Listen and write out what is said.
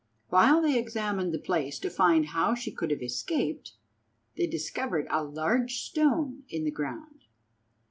While they examined the place to find how she could have escaped, they discovered a large stone in the ground.